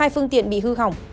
hai phương tiện bị hư hỏng